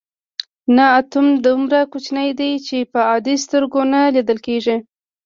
نه اتوم دومره کوچنی دی چې په عادي سترګو نه لیدل کیږي.